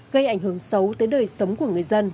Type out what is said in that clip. gây ảnh hưởng xấu tới đời sống của người dân